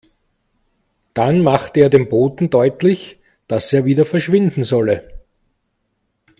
Dann machte er dem Boten deutlich, dass er wieder verschwinden solle.